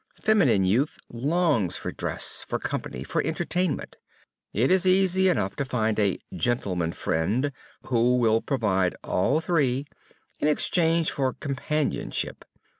Feminine youth longs for dress, for company, for entertainment. It is easy enough to find a "gentleman friend" who will provide all three, in exchange for "companionship."